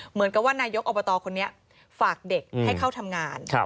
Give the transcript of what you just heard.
เหมือนกับว่านายกอบตคนนี้ฝากเด็กให้เข้าทำงาน